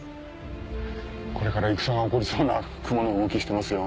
これから戦が起こりそうな雲の動きしてますよ。